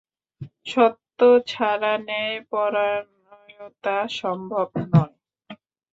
সত্য ছাড়া ন্যায়পরায়ণতা সম্ভব না।